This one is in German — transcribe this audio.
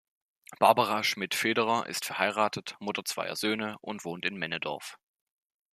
Barbara Schmid-Federer ist verheiratet, Mutter zweier Söhne und wohnt in Männedorf.